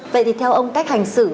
vậy thì theo ông cách hành xử